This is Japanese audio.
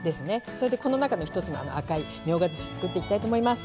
それでこの中の一つのあの赤いみょうがずし作っていきたいと思います。